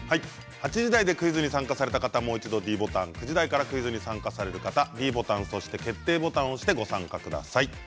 ８時台でクイズに参加した方はもう一度ｄボタン９時台からクイズに参加される方はｄボタンと決定ボタンを押してご参加ください。